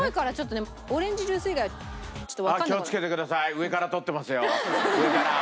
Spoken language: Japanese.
上から撮ってますよ上から。